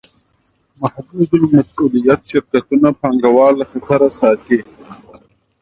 محدودالمسوولیت شرکتونه پانګهوال له خطره ساتي.